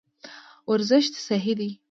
ورزش صحي دی.